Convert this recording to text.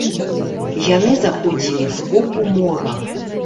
Яны заходзілі з боку мора.